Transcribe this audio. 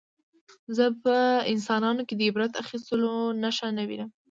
زه په انسانانو کې د عبرت اخیستلو نښه نه وینم